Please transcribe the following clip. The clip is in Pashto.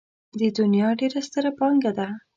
د دنيا ډېره ستره پانګه.